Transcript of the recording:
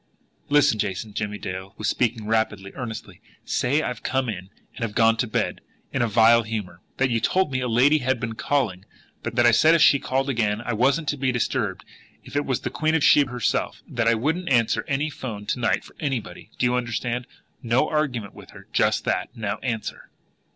"Listen, Jason." Jimmie Dale was speaking rapidly, earnestly. "Say that I've come in and have gone to bed in a vile humour. That you told me a lady had been calling, but that I said if she called again I wasn't to be disturbed if it was the Queen of Sheba herself that I wouldn't answer any 'phone to night for anybody. Do you understand? No argument with her just that. Now, answer!"